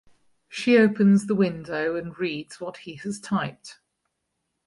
She opens the window and reads what he has typed.